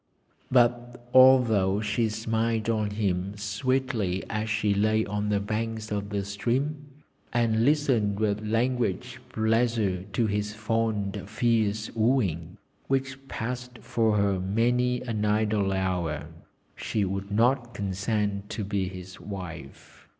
But although she smiled on him sweetly as she lay on the banks of the stream, and listened with languid pleasure to his fond fierce wooing, which passed for her many an idle hour, she would not consent to be his wife.